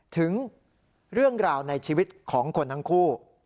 ถึงเรื่องราวในชีวิตของคนทั้งคู่